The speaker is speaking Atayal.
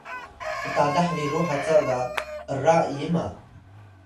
mtalah biru haca ga ’ra ima?